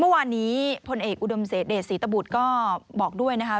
เมื่อวานนี้พลเอกอุดมเศษเดชศรีตบุตรก็บอกด้วยนะคะ